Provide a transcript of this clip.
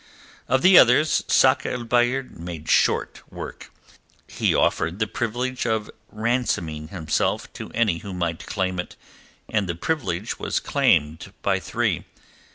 Of the others Sakr el Bahr made short work. He offered the privilege of ransoming himself to any who might claim it, and the privilege was claimed by three.